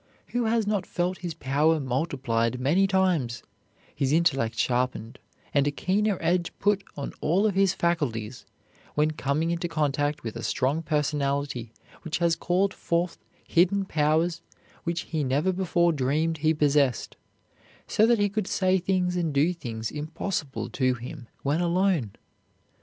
Who has not felt his power multiplied many times, his intellect sharpened, and a keener edge put on all of his faculties, when coming into contact with a strong personality which has called forth hidden powers which he never before dreamed he possessed, so that he could say things and do things impossible to him when alone?